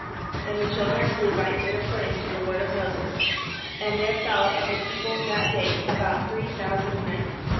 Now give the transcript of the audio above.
" And the children of Levi did according to the word of Moses ; and there fell of the people that day about three thousand men.